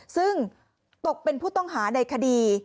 ซึ่งตกเป็นผู้ต้องหาในคดี